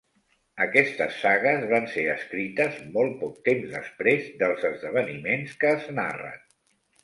Aquestes sagues van ser escrites molt poc temps després dels esdeveniments que es narren.